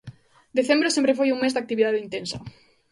Decembro sempre foi un mes de actividade intensa.